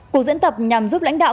cuộc diễn tập nhằm giúp lãnh đạo